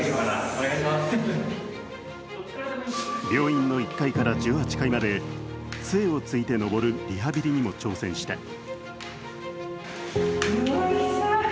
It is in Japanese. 病院の１階から１８階までつえをついてのぼるリハビリにも挑戦した。